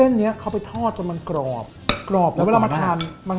เนี้ยเขาไปทอดจนมันกรอบกรอบแล้วเวลามาทานมัน